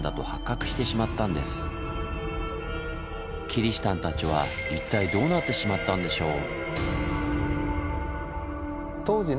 キリシタンたちは一体どうなってしまったんでしょう？